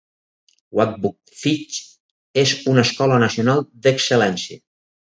Oakwood High és una escola nacional d'excel·lència.